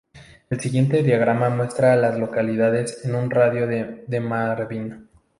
El siguiente diagrama muestra a las localidades en un radio de de Marvin.